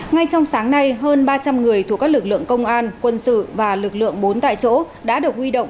ngay trong sáng nay hơn ba trăm linh người thuộc các lực lượng công an quân sự và lực lượng bốn tại chỗ đã được huy động